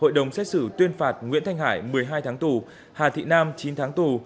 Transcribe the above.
hội đồng xét xử tuyên phạt nguyễn thanh hải một mươi hai tháng tù hà thị nam chín tháng tù